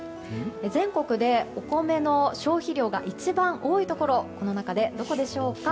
全国でお米の消費量が一番多いところはこの中でどこでしょうか。